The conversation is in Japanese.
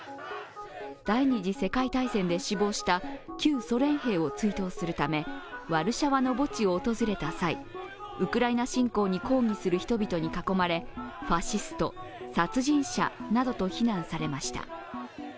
第二次世界大戦で死亡した旧ソ連兵を追悼するためワルシャワの墓地を訪れた際、ウクライナ侵攻に抗議する人々に囲まれファシスト、殺人者などと非難されました。